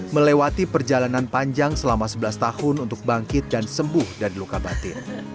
melewati perjalanan panjang selama sebelas tahun untuk bangkit dan sembuh dari luka batin